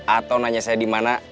atau nanya saya dimana